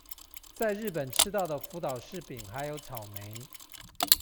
在日本吃到的福島柿餅還有草莓